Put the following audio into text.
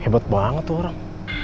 hebat banget tuh orang